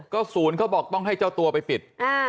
ศูนย์เขาบอกต้องให้เจ้าตัวไปปิด